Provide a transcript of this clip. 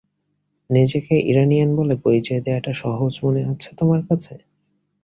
নিজেকে ইরানিয়ান বলে পরিচয় দেয়াটা সহজ মনে হচ্ছে তোমার কাছে?